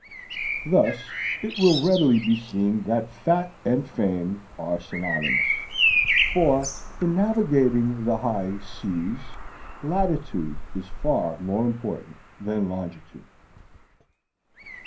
Thus, it will readily be seen that fat and fame are synonymous. For, in navigating the high C's, latitude is far more important than longitude.